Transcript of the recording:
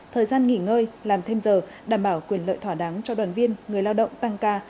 thời gian nghỉ ngơi làm thêm giờ đảm bảo quyền lợi thỏa đáng cho đoàn viên người lao động tăng ca